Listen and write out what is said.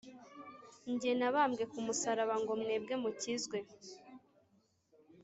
njye nabambwe k’umusaraba ngo mwebwe mukizwe